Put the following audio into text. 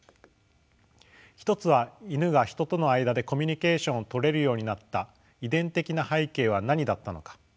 一つはイヌがヒトとの間でコミュニケーションを取れるようになった遺伝的な背景は何だったのか。